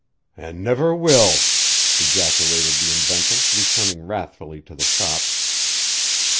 "An' never will!" ejaculated the inventor returning wrathfully to the shop.